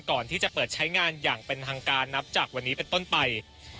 ก่อนที่จะเปิดใช้งานอย่างเป็นทางการนับจากวันนี้เป็นต้นไป